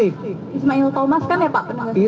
ismail thomas kan ya pak